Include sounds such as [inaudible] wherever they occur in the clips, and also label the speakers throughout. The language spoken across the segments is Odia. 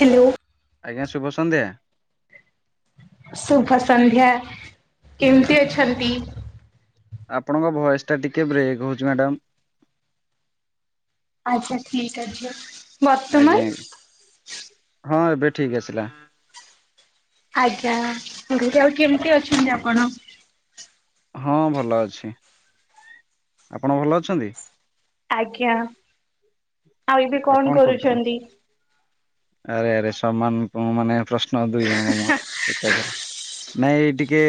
Speaker 1: ହେଲୋ।
Speaker 2: ଆଜ୍ଞା ଶୁଭ ସନ୍ଧ୍ୟା।
Speaker 1: ଶୁଭସନ୍ଧ୍ୟା। କେମିତି ଅଛନ୍ତି?
Speaker 2: ଆପଣଙ୍କ ଭଏସେ ଟା ଟିକେ ବ୍ରେକ୍ ହଉଚି ମ୍ୟାଡାମ୍।
Speaker 1: ଆଚ୍ଛା ଠିକ୍ ଅଛି। ବର୍ତ୍ତମାନ
Speaker 2: ଆଜ୍ଞା ଆଜ୍ଞା। ହଁ ଏବେ ଠିକ୍ ଆସିଲା।
Speaker 1: ଆଜ୍ଞା। ମୁଁ କହିଲି କି କେମିତି ଅଛନ୍ତି ଆପଣ?
Speaker 2: ହଁ ଭଲ ଅଛି। ଆପଣ ଭଲ ଅଛନ୍ତି?
Speaker 1: ଆଜ୍ଞା। ଆଉ ଏବେ କଣ କରୁଛନ୍ତି?
Speaker 2: ଆରେ ଆରେ ସମାନ ଉଁ ମାନେ ପ୍ରଶ୍ନ ଦୁଇଜଣଙ୍କ ମୁହଁରୁ ଏକାଥରେ। ନାଇଁ ଏଇ ଟିକେ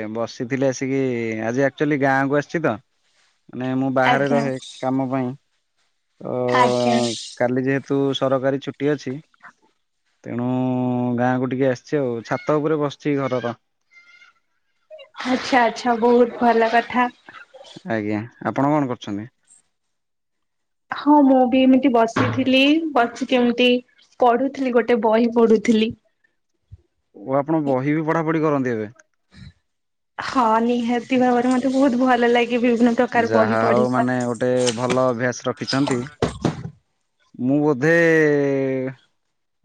Speaker 2: ଏ ବସିଥିଲି ଆସିକି ଆଜି ଆକ୍ଚୁଆଲି ଗାଁକୁ ଆସଛି ତ।
Speaker 1: [inaudible]
Speaker 2: ମାନେ ମୁଁ ବାହାରେ
Speaker 1: ଆଜ୍ଞା
Speaker 2: ରହେ କାମ ପାଇଁ। ତ
Speaker 1: ଆଜ୍ଞା।
Speaker 2: କାଲି ଯେହେତୁ ସରକାରୀ ଛୁଟିଅଛି ତେଣୁ ଗାଁକୁ ଟିକେ ଆସଚି ଆଉ ଛାତ ଉପରେ ବସିଚି ଘରର।
Speaker 1: ଆଚ୍ଛା ଆଚ୍ଛା, ବହୁତ୍ ଭଲକଥା।
Speaker 2: ଆଜ୍ଞା, ଆପଣ କଣ କରୁଛନ୍ତି?
Speaker 1: ହଁ ମୁଁ ବି ଏମିତି ବସିଥିଲି, ବସିକି ଏମିତି ପଢ଼ୁଥିଲି ଗୋଟେ ବହି ପଢ଼ୁଥିଲି।
Speaker 2: ଓ ଆପଣ ବହି ବି ପଢ଼ାପଢ଼ି କରନ୍ତି ଏବେ?
Speaker 1: ହଁ ନିହାତି ଭାବରେ ମତେ ବହୁତ୍ ଭଲ ଲାଗେ ବିଭିନ୍ନ ପ୍ରକାର ବହି
Speaker 2: ଯାହାହଉ
Speaker 1: ପଢିବା।
Speaker 2: ମାନେ ଗୋଟେ ଭଲ ଅଭ୍ୟାସ ରଖିଛନ୍ତି। ମୁଁ ବୋଧେ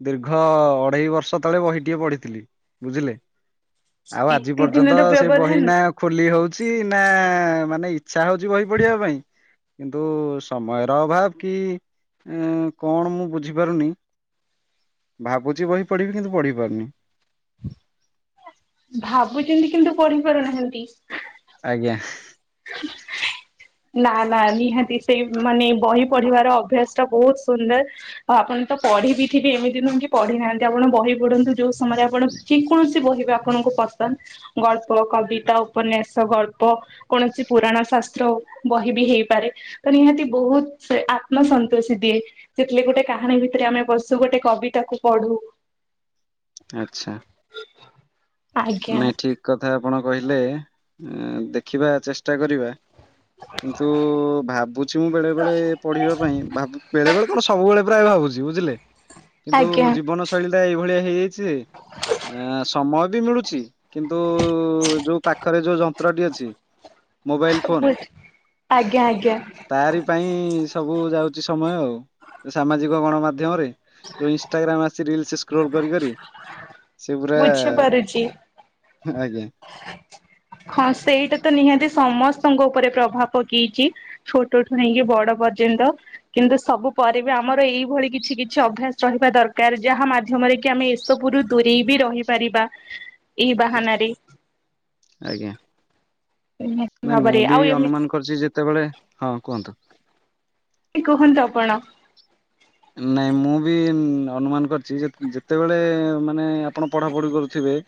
Speaker 2: ଦୀର୍ଘ ଅଢେଇବର୍ଷ ତଳେ ବହିଟିିଏ ପଢ଼ିଥିଲି ବୁଝିଲେ। ଆଉ ଆଜି
Speaker 1: ଏତେ
Speaker 2: ପର୍ଯ୍ୟନ୍ତ
Speaker 1: ଦିନର
Speaker 2: ସେ ବହି
Speaker 1: ବ୍ୟବଧାନ
Speaker 2: ନା ଖୋଲି ହଉଚି ନା ମାନେ ଇଛା ହଉଚି ବହି ପଢ଼ିବାପାଇଁ। କିନ୍ତୁ, ସମୟର ଅଭାବ କି କଣ ମୁଁ ବୁଝିପାରୁନି ଭାବୁଛି ବହି ପଢ଼ିବି, କିନ୍ତୁ ପଢ଼ି ପାରୁନି।
Speaker 1: ଭାବୁଛନ୍ତି, କିନ୍ତୁ ପଢ଼ି ପାରୁନାହାନ୍ତି
Speaker 2: ଆଜ୍ଞା।
Speaker 1: [unintelligible] ନା ନା ନିହାତି ସେଇ ମାନେ ବହି ପଢିବାର ଅଭ୍ୟାସ ଟା ବହୁତ ସୁନ୍ଦର। ଆଉ ଆପଣ ତ ପଢି ବିି ଥିବେ, ଏମିତି ନୁହଁ କି ପଢି ନାହାନ୍ତି ଆପଣ ବହି ପଢନ୍ତୁ, ଯୋଉ ସମୟରେ ଆପଣ ଯେ କୌଣସି ବହିବି ଆପଣଙ୍କୁ ପସନ୍ଦ ଗଳ୍ପ, କବିତା, ଉପନ୍ୟାସ, ଗଳ୍ପ କୌଣସି ପୁରାଣ, ଶାସ୍ତ୍ର ବହି ବି ହେଇପାରେ। ନିହାତି ବହୁତ୍ ଆତ୍ମସନ୍ତୋଷି ଦିଏ। ଯେତେଳେ ଗୋଟେ କାହାଣୀ ଭିତରେ ଆମେ ପସୁ, ଗୋଟେ କବିତାକୁୁ ପଢୁ।
Speaker 2: ଆଚ୍ଛା।
Speaker 1: ଆଜ୍ଞା।
Speaker 2: ନାଇଁ ଠିକ କଥା ଆପଣ କହିଲେ, ଦେଖିବା ଚେଷ୍ଟା କରିବା। କିନ୍ତୁ ଭାବୁଛି ମୁଁ ବେଳେ ବେଳେ ପଢିବା ପାଇଁ, ଭାବ ବେଳେ ବେଳେ କଣ ସବୁବେଳେ। ପୁରା ଭାବୁଛି ବୁଝିଲେ, କିନ୍ତୁ
Speaker 1: ଆଜ୍ଞା
Speaker 2: ଜୀବନ ଶୈଳୀଟା ଏଇଭଳିଆ ହେଇଯାଇଚି ଯେ, ସମୟ ବି ମିଳୁଛି। କିନ୍ତୁ, ଯୋଉ ପାଖରେ ଯୋଉ ଯନ୍ତ୍ରଟି ଅଛି, ମୋବାଇଲ ଫୋନ୍
Speaker 1: ଆଜ୍ଞା ଆଜ୍ଞା।
Speaker 2: ତାରି ପାଇଁ ସବୁ ଯାଉଚି ସମୟ ଆଉ, ସାମାଜିକ ଗଣମାଧ୍ୟମରେ ଯୋଉ ଇନଷ୍ଟାଗ୍ରାମ୍ ଆସିଛି ରିଲସ୍ ସ୍କ୍ରୋଲ୍ କରି କରି ସେ ପୁରା
Speaker 1: ବୁଝିପାରୁଛି।
Speaker 2: ଆଜ୍ଞା।
Speaker 1: ହଁ, ସେଇଟାତ ନିହାତି ସମସ୍ତଙ୍କ ଉପରେ ପ୍ରଭାବ ପକେଇଛି। ଛୋଟଠୁ ନେଇକି ବଡ ପର୍ଯ୍ୟନ୍ତ। କିନ୍ତୁ ସବୁ ପରେ ବି ଆମର ଏଇଭଳି କିଛି କିଛି ଅଭ୍ୟାସ ରହିବା ଦରକାର, ଯାହା ମାଧ୍ୟମରେ କି ଆମେ ସବୁରୁ ଦୂରେଇ ବି ରହିପାରିବା, ଏଇ ବାହାନାରେ।
Speaker 2: ଆଜ୍ଞା।
Speaker 1: ହ [inaudible]
Speaker 2: ନାଇଁ ମୁଁ ବି ଅନୁମାନ କରିଛି ଯେତେବେଳେ, ହଁ କୁହନ୍ତୁ।
Speaker 1: କିଛି କୁହନ୍ତୁ ଆପଣ।
Speaker 2: ନାଇଁ ମୁଁ ବି ଅନୁମାନ କରିଛି, ଯେ ଯେତେବେଳେ ମାନେ ଆପଣ ପଢାପଢି କରୁଥିବେ।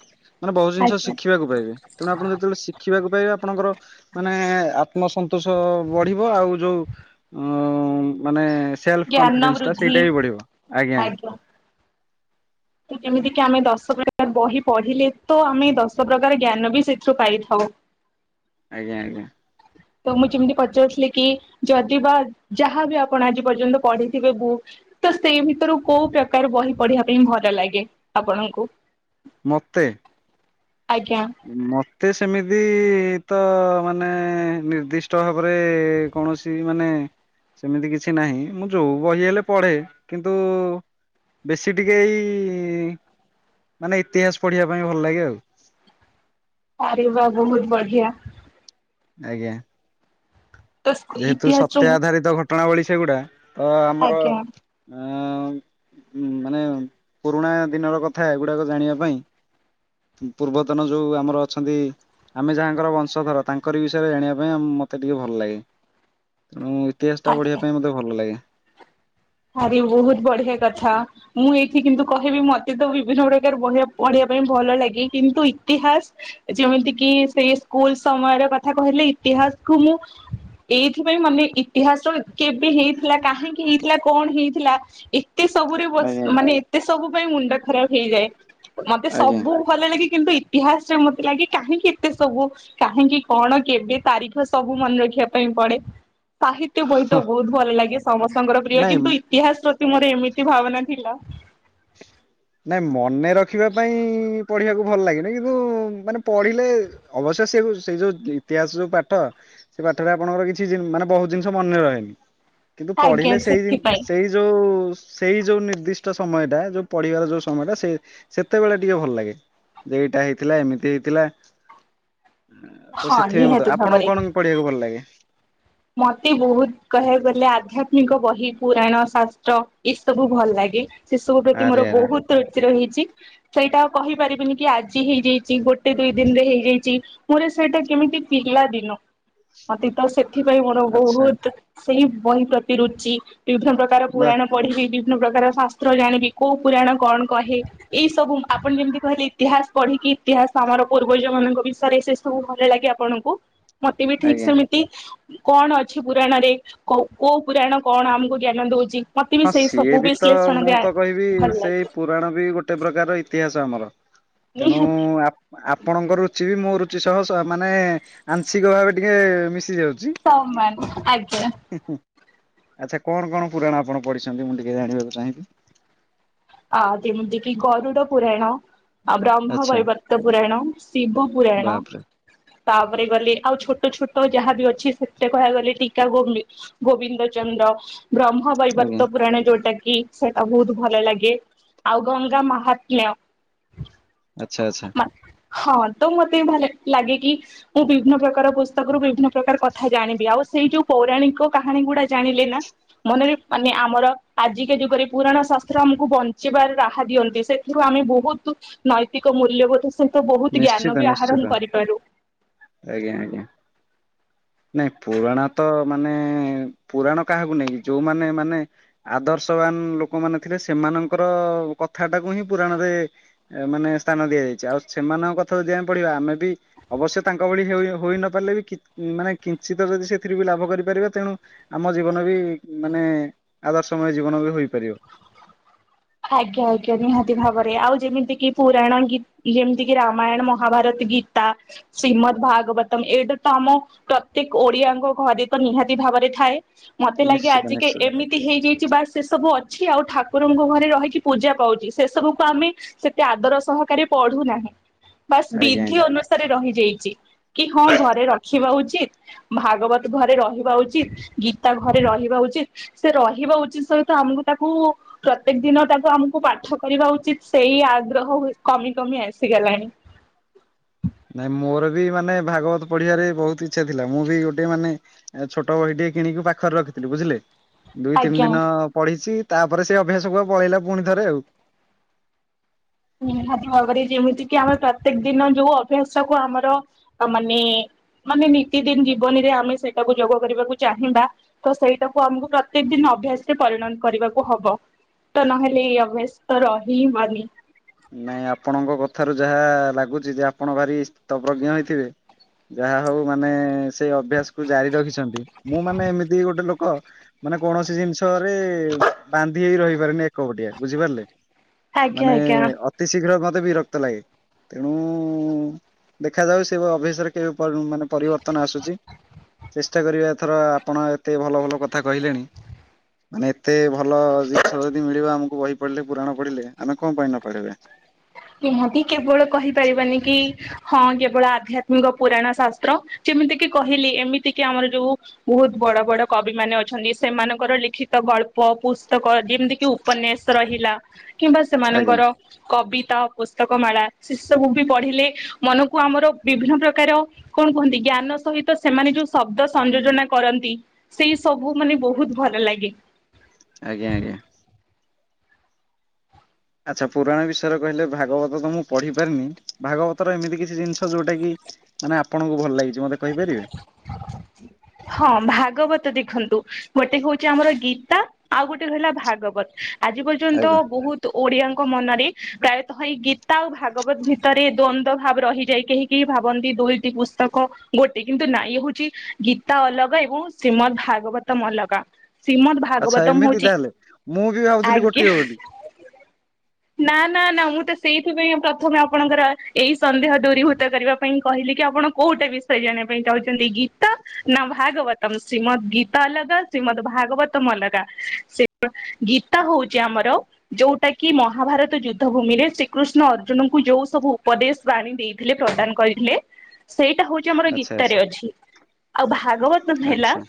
Speaker 2: ମାନେ ବହୁତ ଜିନିଷ
Speaker 1: ଆଜ୍ଞା
Speaker 2: ଶିଖିବାକୁ ପାଇବେ। ତେଣୁ ଆପଣ ଯେତେବେଳେ ଶିଖିବାକୁ ପାଇବେ ଆପଣଙ୍କର। ମାନେ ଆତ୍ମସନ୍ତୋଷ ବଢିବ। ଆଉ ଯୋଉ ଅ ମାନେ। ସେଲ୍ଫ
Speaker 1: ଜ୍ଞାନ
Speaker 2: କନଫିଡେନ୍ସଟା
Speaker 1: ବୃଦ୍ଧି
Speaker 2: ସେଇଟା ବି ବଢିବ। ଆଜ୍ଞା।
Speaker 1: ତ ଯେମିତିକି ଆମେ ଦଶ ପ୍ରକାର ବହି ପଢିଲେତ ଆମେ ଦଶ ପ୍ରକାର ଜ୍ଞାନ ବି ସେଥିରୁ ପାଇଥାଉ।
Speaker 2: ଆଜ୍ଞା ଆଜ୍ଞା।
Speaker 1: ତ ମୁଁ ଯେମିତି ପଚାରୁଥିଲି କି, ଯଦି ବା ଯାହାବି ଆପଣ ଆଜି ପର୍ଯ୍ୟନ୍ତ ପଢିଥିବେ ବୁକ୍। ତ ସେଇ ଭିତରୁ କୋଉ ପ୍ରକାର ବହି ପଢିବା ପାଇଁ ଭଲ ଲାଗେ ଆପଣଙ୍କୁ?
Speaker 2: ମତେ?
Speaker 1: ଆଜ୍ଞା।
Speaker 2: ମତେ ସେମିତି ତ ମାନେ ନିର୍ଦ୍ଦିଷ୍ଟ ଭାବରେ କୌଣସି। ତିମାନେ ସେମିତି କିଛି ନାହିଁ, ମୁଁ ଯୋଉ ବହି ହେଲେ ପଢେ, କିନ୍ତୁ ବେଶୀ ଟିକେ ଏଇ ମାନେ ଇତିହାସ ପଢିବା ପାଇଁ ଭଲ ଲାଗେ ଆଉ।
Speaker 1: ଆରେ ବା ବହୁତ୍ ବଢିଆ।
Speaker 2: ଆଜ୍ଞା,
Speaker 1: ତ
Speaker 2: ଯେହେତୁ
Speaker 1: ଇତିହାସ
Speaker 2: ସତ୍ୟ ଆଧାରିତ ଘଟ। ଟଣାବଳି ସେଗୁଡା, ତ ଆମର।
Speaker 1: ଆଜ୍ଞା
Speaker 2: ଆଁ ମାନେ ପୁରୁଣା ଦିନର କଥା, ଏଗୁଡାକ ଜାଣିବା ପାଇଁ। ପୂର୍ବତନ ଯୋଉ ଆମର ଅଛନ୍ତି, ଆମେ ଯାହାଙ୍କର ବଂଶଧର ତାଙ୍କ। ଙ୍କରି ବିଷୟରେ ଜାଣିବା ପାଇଁ ମତେ ଟିକେ ଭଲ ଲାଗେ, ତେଣୁ ମୁଁ ଇତିହାସଟା ପଢ଼ିବା
Speaker 1: ଆଜ୍ଞା।
Speaker 2: ପାଇଁ ମତେ ଭଲ ଲାଗେ।
Speaker 1: ଆରେ ବହୁତ ବଢିଆ କଥା। ମୁଁ ଏଇଠି କିନ୍ତୁ କହିବି ମତେ ତ ବିଭିନ୍ନ ପ୍ରକାର ବହି ପଢିବା ପାଇଁ ଭଲ ଲାଗେ କିନ୍ତୁ ଇତିହାସ ଯେମିତିକିି ସେଇ ସ୍କୁଲ ସମୟର କଥା କହିଲେ, ଇତିହାସକୁ ମୁଁ ଏଇଥିପାଇଁ ମାନେ ଇତିହାସର କେବେ ହେଇଥିଲା କାହିଁକି ହେଇଥିଲା କଣ ହେଇଥିଲା ଏତେ ସବୁରେ
Speaker 2: ଆଜ୍ଞା
Speaker 1: ମାନେ ଏତେ ସବୁ ପାଇଁ ମୁଣ୍ଡ ଖରାପ ହେଇଯାଏ ମତେ
Speaker 2: ଆଜ୍ଞା।
Speaker 1: ସବୁ ଭଲ ଲାଗେ କିନ୍ତୁ ଇତିହାସରେ ମତେ ଲାଗେ କାହିଁକି ଏତେ ସବୁ କାହିଁକି କଣ କେବେ ତାରିଖ ସବୁ ମନେ ରଖିବା ପାଇଁ ପଡେ। ସାହିତ୍ୟ ବହି ତ
Speaker 2: ହଁ
Speaker 1: ବହୁତ ଭଲ ଲାଗେ ସମସ୍ତଙ୍କର ପ୍ରିୟ
Speaker 2: ନାଇଁ
Speaker 1: କିନ୍ତୁ ଇତିହାସ ପ୍ରତି ମୋର ଏମିତି ଭାବନା ଥିଲା।
Speaker 2: ନାଇଁ ମନେ ରଖିବା ପାଇଁ ପଢିବାକୁ ଭଲ ଲାଗେନି କିନ୍ତୁ ମାନେ ପଢିଲେ ଅବଶ୍ୟ ସେ ସେଇ ଯୋଉ ଇତିହାସ ଯୋଉ ପାଠ ସେ ପାଠରେ ଆପଣଙ୍କର କିଛି ମାନେ ବହୁତ ଜିନିଷ ମନେ ରହେନି କିନ୍ତୁ
Speaker 1: ଆଜ୍ଞା
Speaker 2: ପଢିଲେ ସେଇ
Speaker 1: ସେଥିପାଇଁ
Speaker 2: ସେଇ ଯୋଉ ସେଇ ଯୋଉ ନିର୍ଦ୍ଦିଷ୍ଟ ସମୟରେ ଟା ଯୋଉ ପଢିବାର ଯୋଉ ସମୟ ଟା ସେ ସେତେବେଳେ ଟିକେ ଭଲ ଲାଗେ। ଯେ ଏଇଟା ହେଇଥିଲା ଏମିତି ହେଇଥିଲା। ତ
Speaker 1: ହଁ
Speaker 2: ସେଥିପାଇଁ ମତ
Speaker 1: ନିହାତି ଭାବରେ
Speaker 2: ଆପଣଙ୍କୁ କଣ ପଢିବାକୁ ଭଲ ଲାଗେ?
Speaker 1: ମତେ ବହୁତ କହିବାକୁ ଗଲେ ଆଧ୍ୟାତ୍ମିକ ବହି ପୁରାଣ ଶାସ୍ତ୍ର ଏସବୁ ଭଲ ଲାଗେ। ସେ ସବୁ ପ୍ରତି ମୋର
Speaker 2: ଆରେ ଆରେ
Speaker 1: ବହୁତ ରୁଚି ରହିଛି ସେଇଟା ଆଉ କହିପା ରିବିନି କି ଆଜି ହେଇଯାଇଛି ଗୋ ଟେ ଦୁଇ ଦିନରେ ହେଇଯାଇଛି ମୋର ସେଇଟା କେମିତି ପିଲା ଦିନ ଅତୀତ ସେ ଏଥିପାଇଁ ମୋର
Speaker 2: ଆଚ୍ଛା
Speaker 1: ବହୁତ ସେଇ ବହି ପ୍ରତି ରୁଚି ବିଭିନ୍ନ ପ୍ରକାର
Speaker 2: ବା
Speaker 1: ପୁରାଣ ପଢିବି ବିଭିନ୍ନ ପ୍ରକାର ଶାସ୍ତ୍ର ଜାଣିବି କୋଉ ପୁରାଣ କଣ କହେ ଏଇ ସବୁ ଆପଣ ଯେମିତି କହିଲେ ଇତିହାସ ପଢିକି ଇତିହାସ ଆମର ପୂର୍ବଜ ମାନଙ୍କ ବିଷୟରେ ସେ ସବୁ ଭଲ ଲାଗେ ଆପଣଙ୍କୁ। ମତେ ବି ଠିକ
Speaker 2: ଆଜ୍ଞା।
Speaker 1: ସେମିତି କଣ ଅଛି ପୁରାଣରେ କୋଉ ପୁରାଣ କଣ ଆମକୁ ଜ୍ଞାନ ଦଉଛି? ମତେ ବି
Speaker 2: ହଁ
Speaker 1: ସେଇ
Speaker 2: ସିଏ
Speaker 1: ସବୁ
Speaker 2: ବି ତ
Speaker 1: ବିଶ୍ଳେଷଣ
Speaker 2: ମୁଁ ତ କହିବି
Speaker 1: [unintelligible] ଭଲ
Speaker 2: ସେଇ
Speaker 1: ଲାଗେ।
Speaker 2: ପୁରାଣ ବି ଗୋଟେ ପ୍ରକାର ଇତିହାସ ଆମର ତେଣୁ
Speaker 1: ନିହାତି
Speaker 2: ଆପଣଙ୍କ ରୁଚି ବି ମୋ ରୁଚି ସହ ମାନେ ଆଂଶିକ ଭାବେ ଟିକେ ମିଶି ଯାଉଛି।
Speaker 1: ସମାନ ଆଜ୍ଞା।
Speaker 2: ଆଚ୍ଛା କଣ କଣ ପୁରାଣ ଆପଣ ପଢିଛନ୍ତି ମୁଁ ଟିକେ ଜାଣିବାକୁ ଚାହିଁବି?
Speaker 1: ଆ ଯେମିତି କି ଗରୁଡ଼ ପୁରାଣ। ଆଉ ବ୍ରହ୍ମ
Speaker 2: ଆଚ୍ଛା
Speaker 1: ବୈବର୍ତ ପୁରାଣ ଶିବ ପୁରାଣ।
Speaker 2: ବାପରେ
Speaker 1: ତାପରେ ଗଲେ ଆଉ ଛୋଟ ଛୋଟ ଯାହାବି ଅଛି ସେଥିରେ କହିବାକୁ ଗଲେ ଟିକା ଗୋ ଗୋବିନ୍ଦ ଚନ୍ଦ୍ର ବ୍ରହ୍ମ
Speaker 2: ଆଜ୍ଞା।
Speaker 1: ବୈବର୍ତ୍ତ ପୁରାଣ ଯୋଉଟା କି ସେଇଟା ବହୁତ ଭଲ ଲାଗେ। ଆଉ ଗଙ୍ଗା ମାହାତ୍ମ୍ୟ।
Speaker 2: ଆଚ୍ଛା ଆଛା।
Speaker 1: ହଁ ତ ମତେ ଭଲ ଲାଗେ କି ମୁଁ ବିଭିନ୍ନ ପ୍ରକାର ପୁସ୍ତକରୁ ବିଭିନ୍ନ ପ୍ରକାର କଥା ଜାଣିବି ଆଉ ସେଇ ଯୋଉ ପୌରାଣିକ କାହାଣୀ ଗୁଡା ଜାଣିଲେ ନା ମନରେ ମାନେ ଆମର ଆଜିକା ଯୁଗରେ ପୁରାଣ ଶାସ୍ତ୍ର ଆମକୁ ବଞ୍ଚିବାର ରାହା ଦିଅନ୍ତି ସେ ସେଥିରୁ ଆମେ ବହୁତ ନୈତିକ ମୂଲ୍ୟବୋଧ ସହିତ ବହୁତ ଜ୍ଞାନ
Speaker 2: ନିଶ୍ଚିତ
Speaker 1: ବି
Speaker 2: ନିଶ୍ଚିତ
Speaker 1: ଆହରଣ କରିପାରୁ।
Speaker 2: ଆଜ୍ଞା ଆଜ୍ଞା। ନାଇଁ ପୁରାଣ ତ ମାନେ ପୁରାଣ କାହାକୁ ନେଇକି ଯୋଉମାନେ ମାନେ ଆଦର୍ଶବାନ ଲୋକମାନେ ଥିଲେ ସେମାନଙ୍କର କଥାଟାକୁ ହିଁ ପୁରାଣରେ ମାନେ ସ୍ଥାନ ଦିଆଯାଇଛି ଆଉ ସେମାନଙ୍କ କଥା ଯଦି ଆମେ ପଢିବା ଆମେ ବି ଅବଶ୍ୟ ତାଙ୍କ ଭଳି ହୋଇ ହୋଇନ ପାରିଲେ ବି ମାନେ କିଞ୍ଚିତ ଯଦି ସେଥିରୁ ବି ଲାଭ କରି ପାରିବା ତେଣୁ ଆମ ଜୀବନ ବି ମାନେ ଆଦର୍ଶମୟ ଜୀବନ ବି ହୋଇପାରିବ।
Speaker 1: ଆଜ୍ଞା ଆଜ୍ଞା ନିହାତି ଭାବରେ ଆଉ ଯେମିତି କିି ପୁରାଣ ଗୀ ଯେମିତି କିି ରାମାୟଣ ମହାଭାରତ ଗୀତା ଶ୍ରୀମଦ୍ ଭାଗବତ ଏଇଟା ତ ଆମ ପ୍ରତ୍ୟେକ ଓଡିଆଙ୍କ ଘରେ ତ ନିହାତି ଭାବରେ ଥାଏ ମତେ ଲାଗେ
Speaker 2: ନିଶ୍ଚିତ
Speaker 1: ଆଜିକା
Speaker 2: ନିଶ୍ଚିତ
Speaker 1: ଏମି ତି ହେଇଯାଇଛି। ବା ସେ ସବୁ ଅଛି ଆଉ ଠାକୁରଙ୍କୁ ଘରେ ରହିକି ପୂଜା ପାଉଚି ସେ ସବୁକୁ ଆମେ ସେତେ ଆଦର ସହକାରେ ପଢୁନାହିଁ। ବାସ୍
Speaker 2: ଆଜ୍ଞା ଆଜ୍ଞା।
Speaker 1: ବିଧି ଅନୁସାରେ ରହିଯାଇଚି। କି ହଁ ଘରେ ରଖିବା ଉଚିତ। ଭାଗବତ ଘରେ ରହିବା ଉଚିତ ଗୀତା ଘରେ ରହିବା ଉଚିତ। ସେ ରହିବା ଉଚିତ ସହିତ ଆମକୁ ତାକୁ ପ୍ରତ୍ୟେକ ଦିନ ତାକୁ ଆମକୁ ପାଠ କରିବା ଉଚିତ୍ ସେଇ ଆଗ୍ରହ କମି କମି ଆସିଗଲାଣି।
Speaker 2: ନାଇଁ ମୋର ବି ମାନେ ଭାଗବତ ପଢିବାରେ ବହୁତ ଇଚ୍ଛା ଥିଲା ମୁଁ ବି ଗୋଟେ ମାନେ ଛୋଟ ବହି ଟିକେ କିଣିକି ପାଖରେ ରଖିଥିଲୁ ବୁଝିଲେ? ଦୁଇ ତିନି
Speaker 1: ଆଜ୍ଞା
Speaker 2: ଦିନ ପଢିଚି ତାପରେ ସେଇ ଅଭ୍ୟାସ କୁ ଆ ପଳେଇଲା ପୁଣି ଥରେ ଆଉ।
Speaker 1: ନିହାତି ଭାବରେ ଯେମିତି କିି ଆମେ ପ୍ରତ୍ୟେକ ଦିନ ଯୋଉ ଅଭ୍ୟାସ ଟାକୁ ଆମର ମାନେ ମାନେ ନିତିଦିନ ଜୀବନୀରେ ଆମେ ସେଇଟାକୁ ଯୋଗ କରିବାକୁ ଚାହିଁବା ତ ସେଇଟାକୁ ଆମକୁ ପ୍ରତ୍ୟେକ ଦିନ ଅଭ୍ୟାସରେ ପରିଣନ କରିବାକୁ ହବ। ତ ନହେଲେ ଏଇ ଅଭ୍ୟାସ ରହି ମାନି।
Speaker 2: ନାଇଁ ଆପଣଙ୍କ କଥାରୁ ଯାହା ଲାଗୁଚି ଯେ ଆପଣ ଭାରି ଶତବଜ୍ଞ ହେଇଥିବେ। ଯାହା ହଉ ମାନେ ସେଇ ଅଭ୍ୟାସ କୁ ଜାରି ରଖିଚନ୍ତି। ମୁଁ ମାନେ ଏମିତି ଗୋଟେ ଲୋକ ମାନେ କୌଣସି ଜିନିଷରେ ବାନ୍ଧି ହେଇ ରହିପାରନି ଏକପଟିଆ ବୁଝିପାରିଲେ?
Speaker 1: ଆଜ୍ଞା
Speaker 2: ମାନେ
Speaker 1: ଆଜ୍ଞା
Speaker 2: ଅତି ଶୀଘ୍ର ମତେ ବିରକ୍ତ ଲାଗେ। ତେଣୁ ଦେଖାଯାଉ ସେ ଅଭସରେ କେବେ ମାନେ ପରିବର୍ତ୍ତନ ଆସୁଚି। ଚେଷ୍ଟା କରିବା ଏଥର ଆପଣ ଏତେ ଭଲ ଭଲ କଥା କହିଲେଣି। ମାନେ ଏତେ ଭଲ ଜିନିଷ ଯଦି ମିଳିବ ଆମକୁ ବହି ପଢିଲେ ପୁରାଣ ପଢିଲେ ଆମେ କଣ ପାଇଁ ନ ପଢିବେ।
Speaker 1: ନିହାତି କେବଳ କହିପାରିବାନି କି ହଁ କେବଳ ଆଧ୍ୟାତ୍ମିକ ପୁରାଣ ଶାସ୍ତ୍ର ଯେମିତି କିି କହିଲି ଏମିତି କି ଆମର ଯୋଉ ବହୁତ ବଡ ବଡ କବିମାନେ ଅଛନ୍ତି ସେମାନଙ୍କର ଲିଖିତ ଗଳ୍ପ ପୁସ୍ତକ ଯେମିତି କି ଉପନ୍ୟାସ ରହିଲା କିମ୍ବା
Speaker 2: ଆଜ୍ଞା
Speaker 1: ସେମାନଙ୍କର କବି ତା ପୁସ୍ତକ ମାଳା ସେ ସବୁ ବି ପଢିଲେ ମନକୁ ଆମର ବିଭିନ୍ନ ପ୍ରକାର କଣ କୁହନ୍ତି ଜ୍ଞାନ ସହିତ ସେମାନେ ଯୋଉ ଶବ୍ଦ ସଂଯୋଜନା କରନ୍ତି। ସେଇ ସବୁ ମାନେ ବହୁତ ଭଲ ଲାଗେ।
Speaker 2: ଆଜ୍ଞା ଆଜ୍ଞା। ଆଚ୍ଛା ପୁରାଣ ବିଷୟରେ କହିଲେ ଭାଗବତ ତ ମୁଁ ପଢି ପାରିନି। ଭାଗବତର ଏମିତି କିଛି ଜିନିଷ ଯୋଉଟା କି ମାନେ ଆପଣଙ୍କୁ ଭଲ ଲାଗିଚି ମତେ କହିପାରିବେ?
Speaker 1: ହଁ ଭାଗବତ ଦେଖନ୍ତୁ ଗୋଟେ ହଉଚି ଆମର ଗୀତା- - ଆଉ ଗୋଟେ କହିଲା ଭାଗବତ ଆଜି ପର୍ଯ୍ୟନ୍ତ
Speaker 2: ଆଜ୍ଞା
Speaker 1: ବହୁତ ଓଡିଆଙ୍କ ମନରେ ପ୍ରାୟତଃ ଏଇ ଗୀତା ଆଉ ଭାଗବତ ଭିତରେ ଦ୍ଵନ୍ଦ ଭାବ ରହିଯାଇ କେହି ଭାବନ୍ତି ଦୁଇଟି ପୁସ୍ତକ ଗୋଟେ କିନ୍ତୁ ନାଇଁ ହଉଛି ଗୀ ତା ଅଲଗା ଏବଂ ଶ୍ରୀମଦ୍ ଭାଗବତମ ଅଲଗା। ଶ୍ରୀମଦ୍
Speaker 2: ଆଚ୍ଛା
Speaker 1: ଭାଗବତମ
Speaker 2: ଏମିତି
Speaker 1: ହଉଛି
Speaker 2: ତାହେଲେ ମୁଁ ବି ଭାବୁଥିଲି
Speaker 1: ଆଜ୍ଞା।
Speaker 2: ଗୋଟିଏ ବୋଲି।
Speaker 1: ନା ନା ନା ମୁଁ ତ ସେଇଥିପାଇଁ ପ୍ରଥମେ ଆପଣଙ୍କର ଏଇ ସନ୍ଦେହ ଦୂରୀଭୂତ କରିବା ପାଇଁ କହିଲେ କି ଆପଣ କୋଉଟା ବିଷୟ ଜାଣିବା ପାଇଁ ଚାହୁଛନ୍ତି ଗୀତା ନା ଭାଗବତମ ଶ୍ରୀମଦ୍ ଗୀତା ଅଲଗା ଶ୍ରୀମଦ୍ ଭାଗବତମ ଅଲଗା ସେ ଗୀତା ହଉଛି ଆମର ଯୋଉଟା କି ମହାଭାରତ ଯୁଦ୍ଧ ଭୂମି ରେ ଶ୍ରୀକୃଷ୍ଣ ଅର୍ଜୁନଙ୍କୁ ଯୋଉ ସବୁ ଉପଦେଶ ବାଣୀ ଦେଇଥିଲେ ପ୍ରଦାନ କରିଥିଲେ ସେଇଟା ହଉଚି ଆମର
Speaker 2: ଆଚ୍ଛା
Speaker 1: ଗୀତାରେ
Speaker 2: ଆଚ୍ଛା
Speaker 1: ଅଛି। ଆଉ ଭାଗବତ ହେଲା
Speaker 2: ଆଚ୍ଛା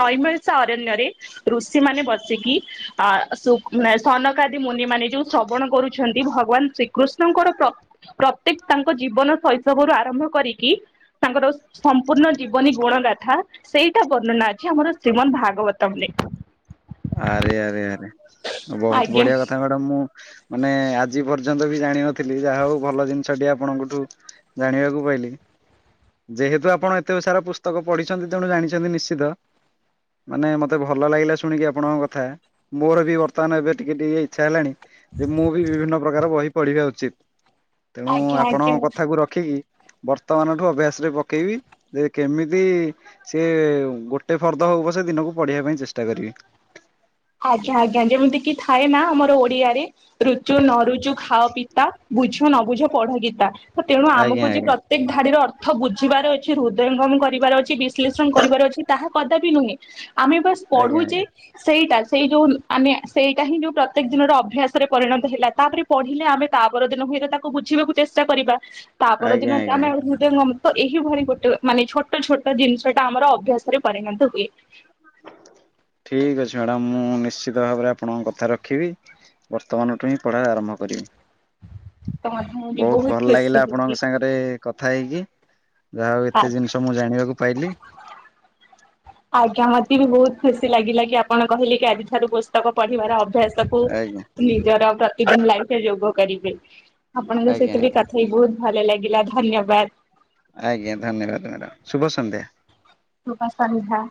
Speaker 1: ନଈମଳିଶା ଅରଣ୍ୟରେ ଋଷି ମାନେ ବସିକି ଆ ମାନେ ସନକ ଆଦି ମୁନି ମାନେ ଯୋଉ ଶ୍ରବଣ କରୁଛନ୍ତି ଭଗବାନ ଶ୍ରୀ କୃଷ୍ଣଙ୍କର ପ୍ରତ୍ୟେକ ତାଙ୍କ ଜୀବନ ଶୈଶବରୁ ଆରମ୍ଭ କରିକି ତାଙ୍କର ସମ୍ପୂର୍ଣ୍ଣ ଜୀବନୀ ଗୁଣ ଗାଥା ସେଇଟା ବର୍ଣ୍ଣନା ଅଛି ଆମର ଶ୍ରୀମନ୍ଦ ଭାଗବତମ ରେ।
Speaker 2: ଆରେ ଆରେ ଆରେ ବହୁତ
Speaker 1: ଆଜ୍ଞା।
Speaker 2: ବଢିଆ କଥା କଥା ମୁଁ ମାନେ ଆଜି ପର୍ଯ୍ୟନ୍ତ ବି ଜାଣିନଥିଲି ଯାହା ହଉ ଭଲ ଜିନିଷଟି ଆପଣଙ୍କଠୁ ଜାଣିବାକୁ ପାଇଲିି। ଯେହେତୁ ଆପଣ ଏତେ ସାରା ପୁସ୍ତକ ପଢିଛନ୍ତି ତେଣୁ ଜାଣିଛନ୍ତି ନିଶ୍ଚିତ। ମାନେ ମତେ ଭଲ ଲାଗିଲା ଶୁଣିକି ଆପଣଙ୍କ କଥା ମୋର ବି ବର୍ତମାନ ଏବେ ଟିକେ ଟିକେ ଇଚ୍ଛା ହେଲାଣି। ଯେ ମୁଁ ବି ବିଭିନ୍ନ ପ୍ରକାର ବହି ପଢିବା ଉଚିତ। ତେଣୁ
Speaker 1: ଆଜ୍ଞା
Speaker 2: ଆପଣ
Speaker 1: ଆଜ୍ଞା
Speaker 2: କଥାକୁ ରଖିକି ବର୍ତ୍ତମାନ ଠୁ ଅଭ୍ୟାସ ରେ ପକେଇବି ଯେ କେମିତି ସିଏ ଗୋଟେ ଫର୍ଦ ହଉ ପଛେ ଦିନକୁ ପଢେଇିବା ପାଇଁ ଚେଷ୍ଟା କରିବି।
Speaker 1: ଆଜ୍ଞା ଆଜ୍ଞା ଯେମିତି କିି ଥାଏ ନା ଆମର ଓଡିଆରେ ରୁଚୁ ନ ରୁଚୁ ଖାଅ ପିତା ବୁଝ ନ ବୁଝ ପଢ ଗୀତା ତ ତେଣୁ
Speaker 2: ଆଜ୍ଞା
Speaker 1: ଆମକୁ ଯେ
Speaker 2: ଆଜ୍ଞା
Speaker 1: ପ୍ରତ୍ୟେକ ଧାଡିର ଅର୍ଥ ବୁଝିବାର ଅଛି ହୃଦୟଙ୍ଗମ କରିବାର ଅଛି ବିଶ୍ଳେଷଣ କରିବାର ଅଛି ତାହା କଦାପି ନୁହେଁ। ଆମେ ବାସ୍
Speaker 2: ଆଜ୍ଞା
Speaker 1: ପଢୁଚେ
Speaker 2: ଆଜ୍ଞା
Speaker 1: ସେଇଟା ସେଇ ଯେଉଁ ଆମେ ସେଇଟା ହିଁ ଯେଉଁ ପ୍ରତ୍ୟେକ ଦିନର ଅଭ୍ୟାସରେ ପରିଣତ ହେଲା। ତାପରେ ପଢ଼ିଲେ ଆମେ ତା ପର ଦିନ ହୁଏତ ତାକୁ ବୁଝିବାକୁ ଚେଷ୍ଟା କରିବା ତା ପର
Speaker 2: ଆଜ୍ଞା
Speaker 1: ଦିନ
Speaker 2: ଆଜ୍ଞା।
Speaker 1: ଆମେ ଆ ହୃଦୟଙ୍ଗମ ଏହିଭଳି ଗୋଟେ ମାନେ ଛୋଟ ଛୋଟ ଜିନିଷ ଟା ଆମର ଅଭ୍ୟାସରେ ପରିଣତ ହୁଏ। [inaudible]
Speaker 2: ଠିକ୍ ଅଛି ମ୍ୟାଡ଼ାାମ ମୁଁ ନିଶ୍ଚିତ ଭାବରେ ଆପଣଙ୍କ କଥା ରଖିବି। ବର୍ତ୍ତମାନଠୁ ହିଁ ପଢ଼ା ଆରମ୍ଭ କରିବି।
Speaker 1: ତ ମଧ୍ୟ ମୁଁ ବି
Speaker 2: ବହୁତ ଭଲ
Speaker 1: ଖୁସି
Speaker 2: ଲାଗିଲା
Speaker 1: ହେବି
Speaker 2: ଆପଣଙ୍କ ସାଙ୍ଗରେ କଥା ହେଇକି ଯାହାଉ
Speaker 1: ଆ
Speaker 2: ଏତେ ଜିନିଷ ମୁଁ ଜାଣିବାକୁ ପାଇଲି।
Speaker 1: ଆଜ୍ଞା ମତେ ବି ବହୁତ ଖୁସି ଲାଗିଲା କି ଆପଣ କହିଲେ କି ଆଜିଠାରୁ ପୁସ୍ତକ ପଢିବାର ଅଭ୍ୟାସକୁ
Speaker 2: ଆଜ୍ଞା
Speaker 1: ନିଜର ପ୍ରତିଦିନ ଲାଇଫରେ ଯୋଗ କରିବେ। ଆପଣଙ୍କ
Speaker 2: ଆଜ୍ଞା
Speaker 1: ସହିତ ବି
Speaker 2: ଆଜ୍ଞା
Speaker 1: କଥା ହେଇ ବହୁତ ଭଲ ଲାଗିଲା ଧନ୍ୟବାଦ।
Speaker 2: ଆଜ୍ଞା ଧନ୍ୟବାଦ ମ୍ୟାଡ଼ାାମ ଶୁଭ ସନ୍ଧ୍ୟା।
Speaker 1: ଶୁଭ ସନ୍ଧ୍ୟା।